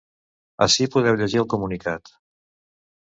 Ací podeu llegir el comunicat.